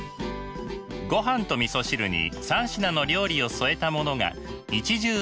ごはんとみそ汁に３品の料理を添えたものが一汁三菜。